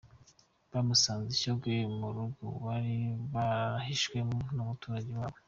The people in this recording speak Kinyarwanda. Yamusanze i Shyogwe, mu rugo bari barahishwemo n’umuturage waho.